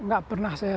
tidak pernah saya